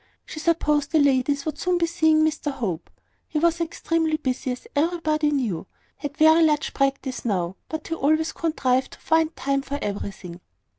She supposed the ladies would soon be seeing Mr Hope. He was extremely busy, as everybody knew had very large practice now; but he always contrived to find time for everything.